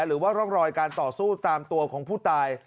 หรือว่าร่องรอยการต่อสู้ตามตัวของผู้ตาย